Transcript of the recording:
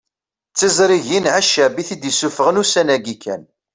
D tiẓrigin Ɛeccab i t-id-isuffɣen ussan-agi kan